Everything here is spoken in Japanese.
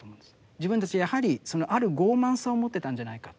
自分たちやはりそのある傲慢さを持ってたんじゃないか。